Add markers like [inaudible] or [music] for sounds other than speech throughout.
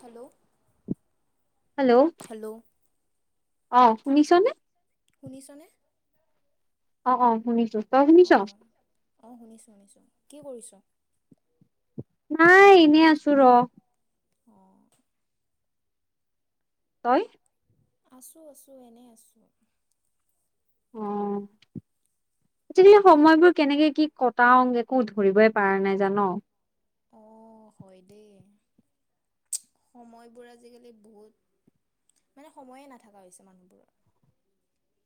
Hello. Hello. Hello অ', শুনিছনে। শুনিছনে। অ', অ', শুনিছো তই শুনিছ। অঁ অঁ শুনিছোঁ কি কৰিছ? নাই এনেই আছো ৰ। [inaudible] তই। আছো আছো এনেই আছো। অ'। আজিকালি সময়বোৰ কেনেকে কি কটাং একো ধৰিবই পৰা নাই জান। অ', হয় দেই। সময়বোৰ আজিকালি বহুত মানে সময়ে নাথকা হৈছে মানুহবোৰৰ।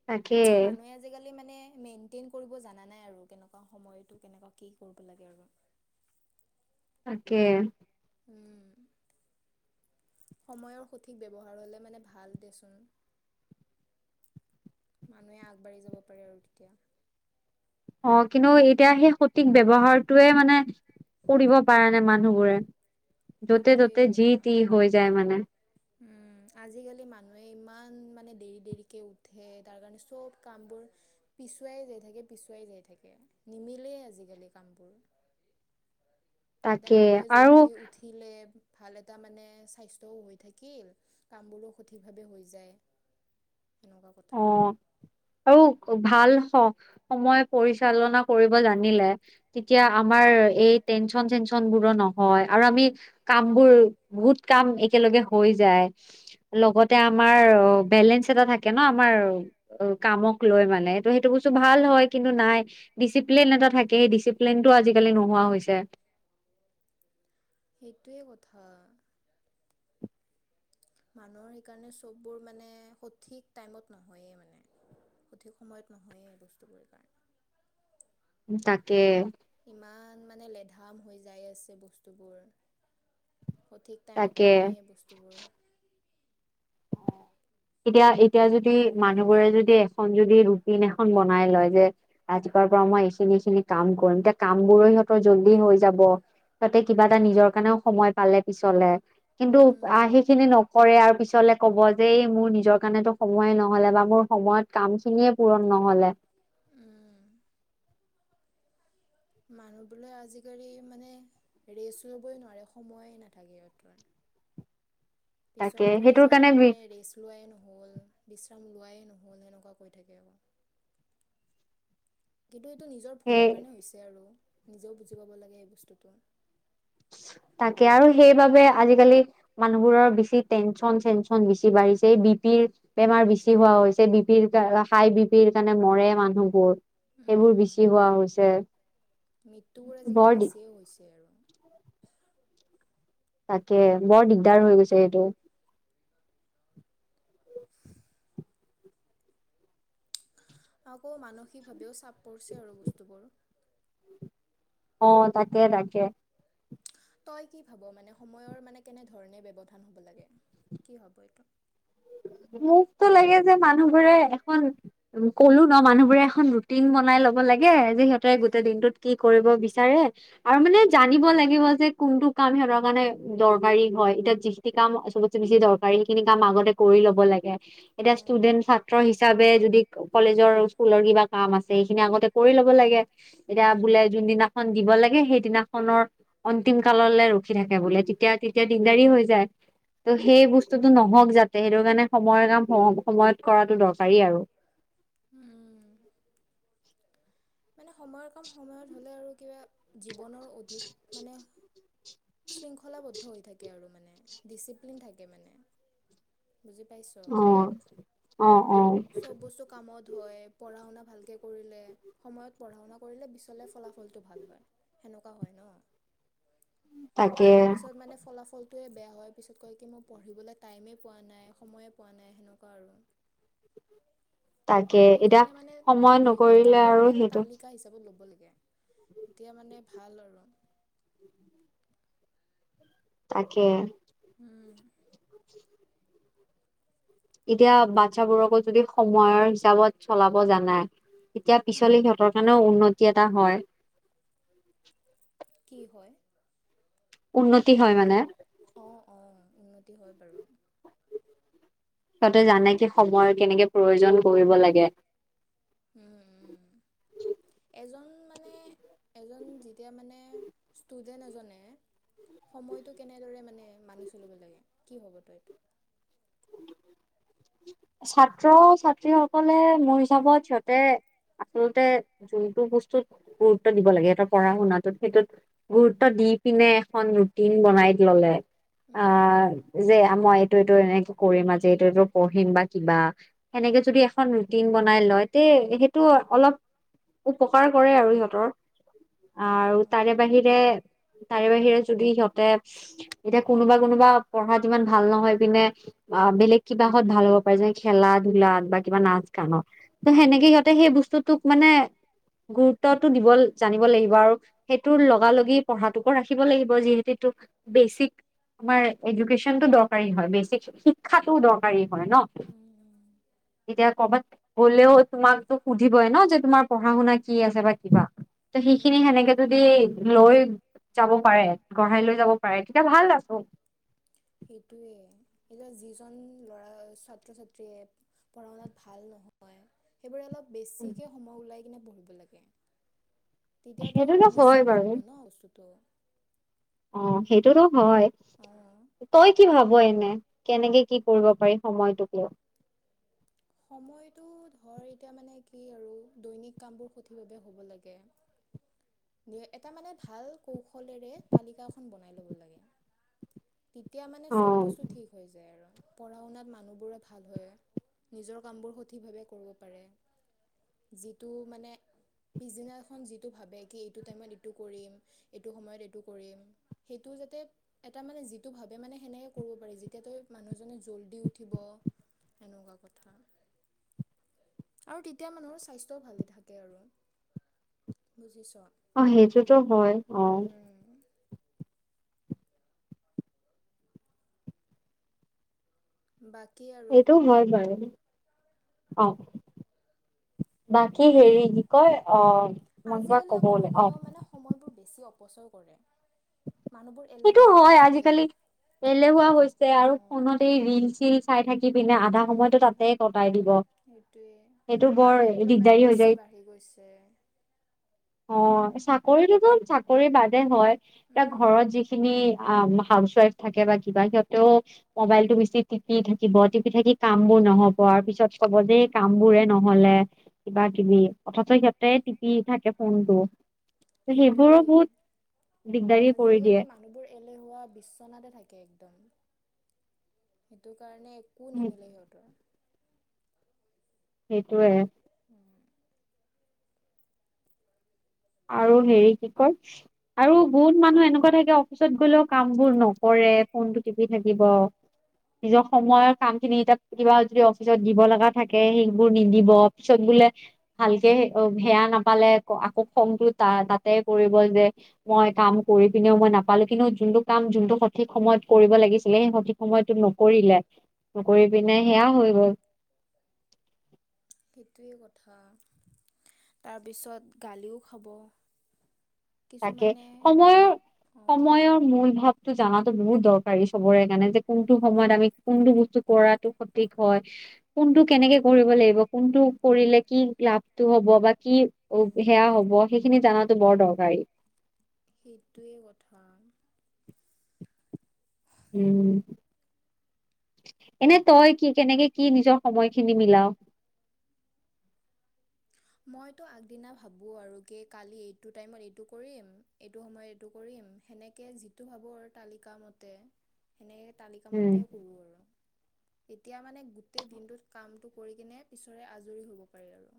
তাকে। মানুহে আজিকালি মানে মেইনটেইন কৰিব জানা নাই আৰু কেনেকুৱা সময় কেনেকুৱা কি কৰিব লাগে আৰু। তাকে। উম সময়ৰ সঠিক ব্যৱহাৰ হ'লে মানে ভাল দেচোন। মানুহে আগবাঢ়ি যাব পাৰে আৰু তেতিয়া। অ' কিন্তু এতিয়া সেই সঠিক ব্যৱহাৰটোৱে মানে কৰিব পাৰা নাই মানুহবোৰে সেইটোৱেই য'তে-ত'তে যি কথা তি হৈ যায় মানে। উম, [unintelligible] আজিকালি মানুহে ইমান মানে দেৰি দেৰিকে উঠে, তাৰ কাৰণে চব কামবোৰ পিছুৱাই যাই থাকে পিছুৱাই যাই থাকে নিমিলেই আজিকালি কামবোৰ। [unintelligible] এতিয়া তাকে মানুহে আৰু জলদি উঠিলে। ভাল এটা মানে স্বাস্থ্যও হৈ থাকিল কামবোৰো সঠিক ভাৱে হৈ যায়। তেনকা কথা। অ আৰু ভাল সময় পৰিচালনা কৰিব জানিলে তেতিয়া উম, আমাৰ এই টেনচন চেনচন বোৰো নহয় আৰু আমি কাম বোৰ বহুত কাম একেলগে হৈ যায়। লগতে আমাৰ অ' বেলেঞ্চ এটা থাকে। ন' আমাৰ অ' কামক লৈ মানেটো সেইটো বস্তু ভাল অঁ, হয়। কিন্তু নাই ডিচিপ্লিন থাকে সেই ডিচিপ্লিনটো আজিকালি নোহোৱা হৈছে। সেইটোৱে কথা। মানুহৰ সেইকাৰণে চববোৰ মানে সঠিক টাইমত নহয়েই মানে। সঠিক সময়ত নহয়েই এই বস্তুবোৰ কাৰণে। তাকে, ইমান মানে লেধাম হৈ যায় আছে বস্তুবোৰ। সঠিক টাইমত তাকে নহয়েই বস্তুবোৰ। অ', এতিয়া-এতিয়া যদি মানুহবোৰে যদি এখন যদি ৰুটিন এখন বনাই লয় যে আজি, পৰা মই এইখিনি এইখিনি কাম কৰিম এতিয়া কাম বোৰো সিহঁতৰ জল্দি হৈ যাব। তহতে কিবা এটা নিজৰ কাৰণেও সময় পালে পিছলে কিন্তু উম অহ সেইখিনি নকৰে আৰু পিছত। কব যে মোৰ নিজৰ কাৰণেতো সময়ে নহলে বা মোৰ সময়ত কাম খিনিয়ে পূৰণ নহলে। উম মানুহ বোলে আজিকালি মানে ৰেচ লবই নোৱাৰে সময়ে নাথাকে সিহঁত। [unintelligible] তাকে পিছত কয় সেইটোৰ যে কাৰণে বি মানে ৰেচ লোৱাই নহল বিশ্ৰাম লোৱাই নহ'ল সেনেকুৱা কৈ থাকে আৰু। কিন্তু এইটো নিজৰ ভুলৰ সেই কাৰণে হৈছে আৰু নিজেও বুজি পাব লাগে এই বস্তুটো। [unintelligible] তাকে আৰু সেইবাবে আজিকালি মানুহবোৰৰ বেছি টেনচন-চেনচন বেছি বাঢ়িছে এই বি পি। বি পিৰ বেমাৰ বেছি হোৱা হৈছে বি পিৰ কাৰ হাই বিপিৰ কাৰণে মৰে মানুহবোৰ। সেইবোৰ উম বেছি হোৱা হৈছে। মৃত্যুবোৰ আজিকালি বৰ বেছিয়ে হৈছে আৰু। তাকে বৰ দিগদাৰ হৈ গৈছে এইটো, আকৌ মানসিক ভাৱেও চাপ পৰিছে আৰু বস্তুবোৰ। অ' তাকে-তাকে। তই কি ভাব মানে সময়ৰ মানে কেনেধৰণে ব্যৱধান হব লাগে। কি হব এইটো? উম [unintelligible] মোকতো লাগে যে মানুহ বোৰে এখন ক'লো ন মানুহ বোৰে এখন ৰুটিন বনাই লব লাগে। লাগে যে সিহঁতে গোটেই উম। দিনটোত কি কৰিব বিচ বিচাৰে আৰু মানে জানিব লাগিব যে, কোনটো কাম সিহঁতৰ কাৰণে দৰকাৰী হয়। এতিয়া যি কাম চবতে বেছি দৰকাৰ সখিনি কাম আগতে কৰি ল'ব লাগে। এতিয়া অঁ ষ্টুডেন্ট ছাত্ৰ হিচাপে যদি কলেজৰ স্কুলৰ কিবা কাম আছে সেইখিনি আগতে কৰি ল'ব লাগে। এতিয়া উম, বোলে যোনদিনাখন দিব লাগে, সেই দিনাখনৰ অন্তিম কাললৈ ৰখি থাকে বোলে তেতিয়া-তেতিয়া দিনদাৰি হৈ যায়। ত' সেই বস্তুটো নহওক যাতে সেইটো কাৰণে সময়ৰ কাম সময়ত কৰাটো দৰকাৰী আৰু। [inaudible] উম। মানে সময়ৰ কাম সময়ত হ'লে আৰু কিবা জীৱনৰ অধিক মানে শৃংখলাবদ্ধ হৈ থাকে আৰু মানে ডিচিপ্লিন থাকে মানে বুজি পাইছ অ অ অ চব বস্তু কামত হয় পঢ়া শুনা ভালকে কৰিলে সময়ত পঢ়া শুনা কৰিলে পিচলে ফলাফলটো ভাল হয় সেনেকুৱা হয় তাকে ন যদি পিছত মানে ফলাফল [unintelligible] বেয়া হোৱাৰ পিছত কয় কি মই পঢ়িবলৈ টাইমে পোৱা নাই সময়ে পোৱা নাই সেনেকুৱা আৰু [unintelligible] এতিয়া সেইকাৰণে মানে সময় দৈনিক নকৰিলে কাম বোৰ আৰু মানে এটা সেইটো তালিকা হিচাপে ল'ব লাগিব এতিয়া মানে ভাল আৰু তাকে উম এতিয়া বাচ্ছাবোৰকো যদি সময়ৰ হিচাপত চলাব জানাই এতিয়া উম, পিছলি সিহঁতৰ কাৰণেও উন্নতি এটা হয় কি হয় উন্নতি হয় মানে অঁ উন্নতি হয় বাৰু তিহঁতে জানে কি সময়ৰ কেনেকে প্ৰয়োজন কৰিব লাগে উম উম এজন [unintelligible] এ যেতিয়া মানে ষ্টুডেন্ট এজনে সময়টো কেনেদৰে মানে মানি চলিব লাগে কি হব তইটো ছাত্ৰ ছাত্ৰী সকলে মোৰ হিচাপত সিহঁতে আচলতে যোনটো বস্তুত গুৰুত্ব দিব লাগে সিহতৰ পঢ়া শুনাটোত সেইটোত গুৰুত্ব দি ইপিনে এখন ৰুটিন বনাই ললে। উম, অ', যে মই এইটো এইটো এনেকে কৰিম আজি, এইটো এইটো পঢ়িম বা কিবা সেনেকে উম, যদি এখন ৰুটিন বনাই লয় তে সেইটো অলপ উপকাৰ কৰে আৰু সিহঁতৰ আৰু তাৰে অ', বাহিৰে তাৰ বাহিৰে যদি সিহঁতে এতিয়া কোনোবা কোনোবা পঢ়াত ইমান ভাল নহয় পিনে বা বেলেগ কিবাহত ভাল হ'ব যে খেলা ধূলাত বা কিবা নাচ গানত, অংশ ত' উম, সেনেকে উম, সিহঁতে সেই বস্তুটোক মানে গুৰুত্বটো দিবল জানিব লাগিব আৰু সেইটোৰ লগালগি পঢ়াটোকো ৰাখিব লাগিব যিহেতু এইটো বেচিক আমাৰ এডুকেশ্বনটো দৰকাৰী হয়, বেচিক শিক্ষাটোও দৰকাৰী হয় ন? উম, উম। এতিয়া ক'বাত গ'লেও তোমাকতো সুধিবই ন যে তোমাৰ পঢ়া শুনা কি আছে বা কিবা তে উম, সেইখিনি উম, সেনেকে যদি সুধিব। লৈ যাব পাৰে গঢ়াই লৈ যাব পাৰে, তেতিয়া ভাল আছে সেইটোৱে, এতিয়া যিজন ল'ৰা ছাত্ৰ ছাত্ৰীয়ে পঢ়াশুনাত ভাল নহয়, সেইবোৰে অলপ বেছিকে সময় ওলাই কিনে পঢ়িব লাগে। তেতিয়াতো সেইটোতো নিশ্চয় হয় ভাল বাৰু হ'ব ন বস্তুটো। অ, সেইটোতো হয়, তই কি ভাব এন নে, কেনেকে কি পঢ়িব পাৰি সময়টোক লৈ সময়টো ধৰ এতিয়া মানে কি আৰু দৈনিক কামবোৰ সঠিকভাৱে হ'ব লাগে। এটা মানে ভাল কৌশলেৰে তালিকা এখন বনাই ল'ব লাগে। তেতিয়া মানে অ চব বস্তু ঠিক হৈ যায় আৰু পঢ়া শুনাত মানুহবোৰে ভাল হয়। নিজৰ কামবোৰ সঠিকভাৱে কৰিব পাৰে যিটো মানে পিছদিনাখন যিটো ভাবে কি এইটো টাইমত এইটো কৰিম এইটো সময়ত এইটো কৰিম সেইটো যাতে এটা মানে যিটো ভাবে মানে সেনেকে কৰিব পাৰি যেতিয়া তই মানুহজনে জল দি উঠিব এনেকুৱা ক [inaudible] আৰু তেতিয়া মানুহৰ স্বাস্থ্যও ভালে থাকে আৰু বুজিছ অ সেইটোতো হয় অ উম বাকী আৰু এইটোও হয় বাৰু অ বাকী হেৰি কি কয় অহ আজিকালি আকৌ মানুহেও মানে সময়বোৰ বেছি অপচয় কৰে মানুহবোৰ সেইটো এলেহুৱা হৈ হয় গৈছে যে আজিকালি এলেহুৱা হৈছে অ আৰু ফোনতে এই ৰিল চিল চাই থাকি ইপিনে আধা সময়তো তাতে কটাই দিব সেইটো সেইটোৱেই বৰ আনএমপ্লয়মেণ্ট দিগদাৰী হৈ বেছি যায় বাঢ়ি গৈছে অ চাকৰিটোতো চাকৰি বাদে হয় এ উম ঘৰত যিখিনি আ হাউছ উৱাইফ থাকে বা কিবা সিহঁতেও মোবাইলটো বেছি টিপি থাকিব টিপি থাকি কা কাম বোৰ নহব আৰু পিছত কব যে এই কাম বোৰে নহলে কিবা কিবি অথচ' সিহঁতে টিপি থাকে ফোনটো সেইবোৰো সেইটোৱেই বহুত দিগদাৰি কৰি দিয়ে আজিকালি মানুহবোৰ এলেহুৱা বিচনাতে থাকে একদম সেইটো কাৰণে একো নিমিলে সিহঁতৰ সেইটোৱে [inaudible] আৰু হেৰি কি কয় আৰু বহুত মানুহ এনেকুৱা থাকে অফিচত গ'লেও কাম বোৰ নকৰে এ ফোনটো টিপি থাকিব নিজৰ সময়ৰ কাম খিনি তাত কিবা যদি অফিচত দিব লগা থাকে সেইবোৰ নিদিব পিছত গ বোলে ভালকে অ সেয়া নাপালে আকৌ খংটো তা তাতে কৰিব যে মই কাম কৰি পিনেও মই নাপালো কিন্তু যোনটো কাম যোনটো স সঠিক সময়ত কৰিব লাগিছিলে সেই সঠিক সময়তটো নকৰিলে নকৰি পিনে সেয়া হৈ গল [inaudible] [inaudible] সেইটোৱে কথা তাৰপিছত গালিও খাব তাকে কিছুমানে সময়ৰ অঁ সময়ৰ মূল ভাৱ টো জানাতো বহুত দৰকাৰী চবৰে কাৰণে যে কোনটো সময়ত আমি কোনটো বস্তু কৰাতো সঠিক হয় কোনটো কেনেকে কৰিব লাগিব কোনটো কৰিলে কি লাভটো হব বা কি সেয়া হব সেইখিনি জানাতো বৰ দৰকাৰী সেইটোৱে কথা উম এনে তই কি কেনেকে কি নিজৰ সময়খিনি মিলাও [inaudible] মইতো আগদিনা ভাবো আৰু কি কালি এইটো টাইমত এইটো কৰিম এইটো সময়ত কৰিম সেনেকে যিটো ভাব আৰু তালিকা মতে সেনেকে উম তালিকামতে কৰোঁ আৰু এতিয়া মানে গোটেই দিনটোত কাম কৰি কিনে পিছৰে আজৰি হব পাৰি আৰু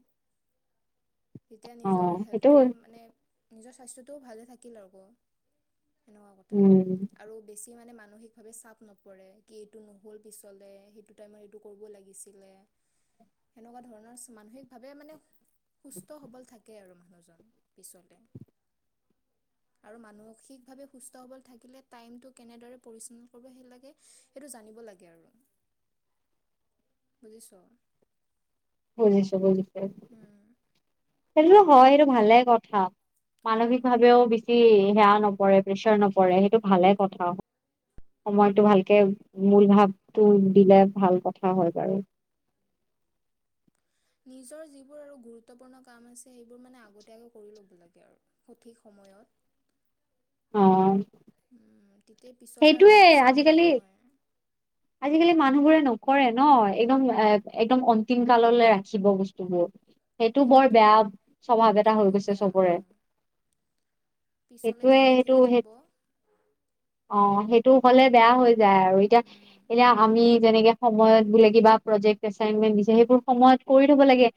তেতিয়া অ নিজৰ সেইটো হেল্থটো মানে নিজৰ স্বাস্থ্যটোও ভালে থাকিল আকৌ এনেকুৱা কথা উম আৰু বেছি মানে ম মানসিকভাৱে চাপ নপৰে কি এইটো নহ'ল পিছলে সেইটো টাইমত এইটো কৰিব লাগিছিলে সেনেকুৱা ধৰণৰ মানসিক ভাৱে স মানে সুস্থ সবল থাকে আৰু মানুহজন পিছলে [inaudible] আৰু মানসিকভাৱে সুস্থ সবল থাকিলে টাইমটো কেনেদৰে পৰিচালন কৰিব সেই লাগে সেইটো জান লাগে আৰু [unintelligible] বুজিছো বজিছো বজিছো সেইটোতো হয় সেইটো ভালে কথা অ মানসিক ভাৱেও বেছি সেয়া নপৰে প্ৰেচাৰ নপৰে সেইটো ভালে কথা সময়টো ভালকে মূল ভাৱটো দিলে ভাল কথা হয় বাৰু [unintelligible] নিজৰ যোৰ আৰু গুৰুত্বপূৰ্ণ কাম আছে সেইোৰগ কৰি লব ল আৰু সঠ সময়ত অ উম তেতিয়া পিছলে আৰু সেইটোয়ে লোকচানটো আজিকালি নহয় আজিকালি মানুহবোৰে ন কৰে ন একদম এ একদম অন্তিম কাললে ৰাখিব বস্তুবোৰ সেইটো বৰ বেয়া সেইটোৱে স্বভাৱ সেইটো এটা হৈ বহুত গৈছে বেয়া অ চবৰে পিছলে ঠেলি সেইটো ঠেলি সেই থ'ব অ সেইটো হলে বেয়া হৈ যায় আৰু এতিয়া উম এতিয়া আমি যেনেকে সময়ত বোলে কিবা প্ৰজেক্ট এচাইনমেন্টত দি সেইবোৰ সময়ত কৰি থব লাগে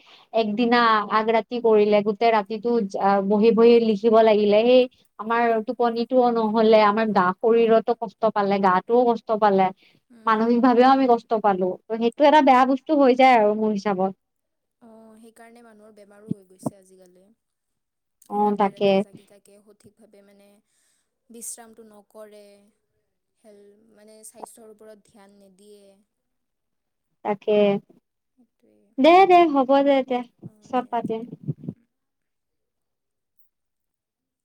একদিনা আগ ৰাটি কি কৰিলে গোটেই ৰাতিটো বহি বহি লিখিব লাগিলে সেই আমাৰ টোপনিতোও নহলে আমাৰ গা শৰীৰতো কষ্ট পালে গা টোও কষ্ট পালে উম মানসিক ভাৱেও আমি কষ্ট পালো ত সেইটো এটা বেয়া বস্তু হৈ যায় আৰু মোৰ হিচাপত অ' সেইকাৰণে মানুহৰ বেমাৰো হৈ গৈছে আজিকালি। অ ৰাতি তাকে ৰাতি জাগি থাকে সঠিক ভাৱে মানে বিশ্ৰামটো নকৰে হেল মানে স্বাস্থ্যৰ ওপৰত ধ্যান নিদিয়ে তাকে সেইটোৱে দে দে হ'ব দে তে অ' চব দে হ'ব পাতিম দে।